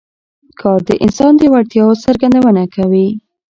کار د انسان د وړتیاوو څرګندونه کوي